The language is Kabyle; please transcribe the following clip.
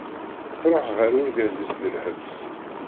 Truḥ ɣer urgaz-is di lḥebs.